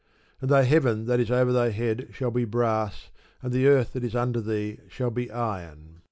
And thy heaven that is over thy head shall be brass, and the earth that is under thee shall be iron.